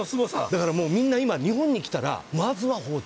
だからみんな今、日本に来たらまずは包丁。